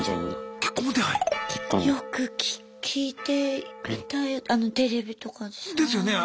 よく聞いていたテレビとかでさ。ですよね。